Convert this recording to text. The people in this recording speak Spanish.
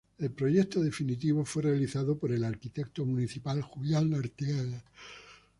El proyecto definitivo fue realizado por el arquitecto municipal Julián Arteaga.